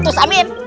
terima kasih lah